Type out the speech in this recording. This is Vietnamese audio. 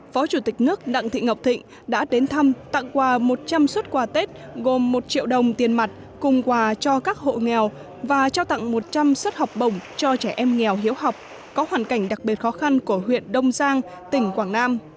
phó chủ tịch nước đặng thị ngọc thịnh đã đến thăm tặng quà một trăm linh xuất quà tết gồm một triệu đồng tiền mặt cùng quà cho các hộ nghèo và trao tặng một trăm linh suất học bổng cho trẻ em nghèo hiếu học có hoàn cảnh đặc biệt khó khăn của huyện đông giang tỉnh quảng nam